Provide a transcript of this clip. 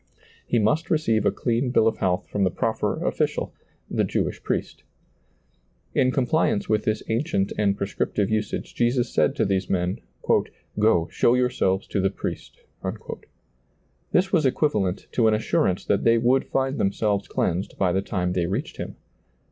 He must ^lailizccbvGoOgle A THANKSGIVING SERMON 147 receive a clean bill of health from the proper offi cial — the Jewish priest In compliance with this ancient and prescriptive usage Jesus said to these men, " Go, show your selves to the priest." This was equivalent to an assurance that they would find themselves cleansed by the time they reached him.